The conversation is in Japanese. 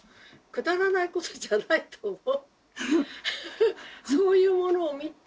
くだらないことじゃないと思う。